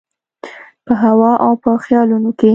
په هوا او په خیالونو کي